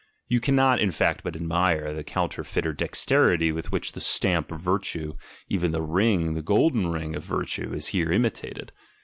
You cannot, in fact, but admire the counterfeiter dexterity with which the stamp of virtue, even the ring, the golden ring of virtue, is here imitated.